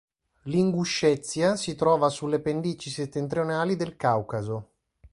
L'Inguscezia si trova sulle pendici settentrionali del Caucaso.